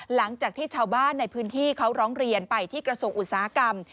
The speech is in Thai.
หลังจากที่ชาวบ้านในพื้นที่เขาร้องเรียนไปที่กระทรวงอุตสาหกรรม